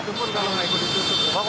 itu pun kalau nggak ikut ditutup